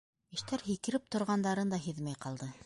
Йәштәр һикереп торғандарын да һиҙмәй ҡалды.